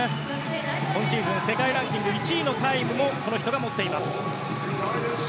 今シーズン世界ランキング１位のタイムもこの人が持っています。